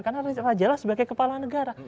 karena rajalah sebagai kepala negara